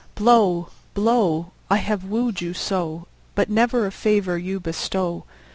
Blow, blow! I have wooed you so, But never a favour you bestow.